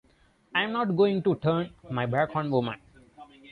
I'm not going to turn my back on women.